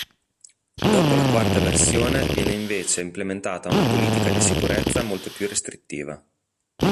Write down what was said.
Dopo la quarta versione viene invece implementata una politica di sicurezza molto più restrittiva.